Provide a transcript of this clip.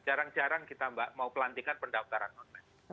jarang jarang kita mbak mau pelantikan pendaftaran online